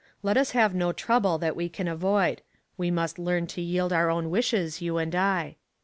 Let us have no trouble that we can avoid. We must learn to yield our own wishes, you and I."